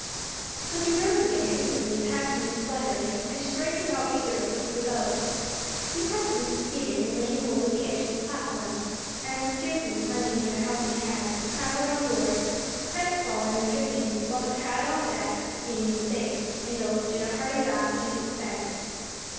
But he rose again instantly panting and spluttering, and striking out vigorously for the boat; he presently succeeded in laying hold of the edge of the platform, and, the steersman lending him a helping hand, clambered on board, crestfallen and dripping, while the crowd on deck, seeing him safe, indulged in a hearty laugh at his expense.